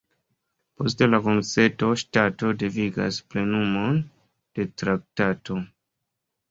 Post la konsento, ŝtato devigas plenumon de traktato.